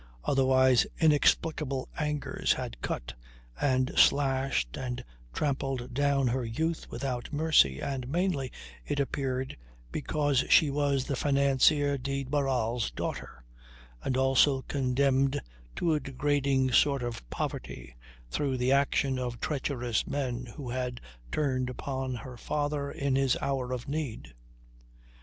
Otherwise inexplicable angers had cut and slashed and trampled down her youth without mercy and mainly, it appeared, because she was the financier de Barral's daughter and also condemned to a degrading sort of poverty through the action of treacherous men who had turned upon her father in his hour of need.